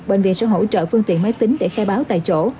bệnh viện sẽ hỗ trợ phương tiện máy tính để khai báo tại chỗ